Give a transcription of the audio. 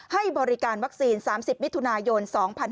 ให้บริการวัคซีน๓๐มิถุนายน๒๕๖๒